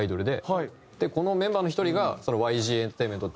このメンバーの１人がＹＧエンターテインメント。